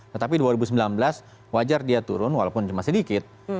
tetapi dua ribu sembilan belas wajar dia turun walaupun cuma sedikit